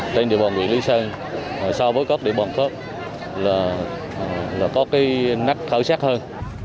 trên địa bộ nghỉ lý sơn so với các địa bộ khớp là có cái nắp khởi sắc hơn